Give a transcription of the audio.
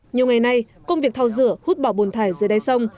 nhiều ngày nay công việc thao dửa hút bỏ bồn thải dưới đáy sông